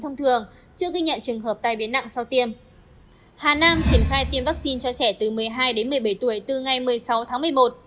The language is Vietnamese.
hà nam triển khai tiêm vaccine cho trẻ từ một mươi hai đến một mươi bảy tuổi từ ngày một mươi sáu tháng một mươi một